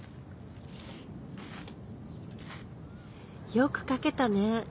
よく書けたね